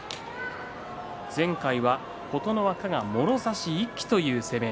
前回は琴ノ若がもろ差し一気という攻め。